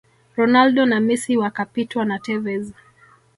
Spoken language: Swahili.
ronaldo na Messi wakapitwa na Tevez